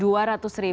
dua ratus ribu